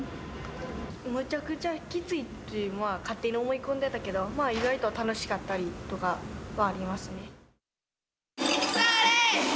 めちゃくちゃきついって勝手に思い込んでたけど、まあ意外と楽しかったりとかはありますね。